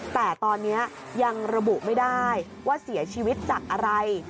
แต่ตอนนี้ยังระบุไม่ได้ว่าเสียชีวิตจากอะไร